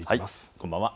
こんばんは。